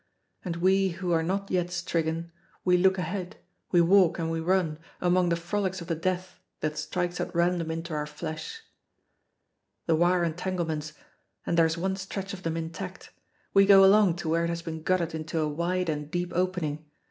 And we who are not yet stricken, we look ahead, we walk and we run, among the frolics of the death that strikes at random into our flesh. The wire entanglements and there is one stretch of them intact. We go along to where it has been gutted into a wide and deep opening.